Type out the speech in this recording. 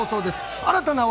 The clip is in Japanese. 新たな笑